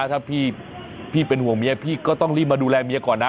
ถ้าพี่เป็นห่วงเมียพี่ก็ต้องรีบมาดูแลเมียก่อนนะ